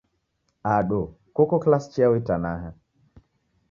Ado, koko kilasi chiyao itanaha?